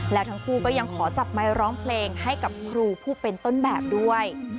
แล้วทั้งคู่ก็ยังขอจับไมค์ร้องเพลงให้กับครูผู้เป็นต้นแบบด้วย